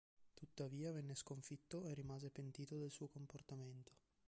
Tuttavia venne sconfitto e rimase pentito del suo comportamento.